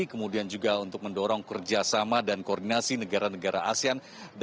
kemudian juga untuk mendorong kerjasama dan koordinasi negara negara asean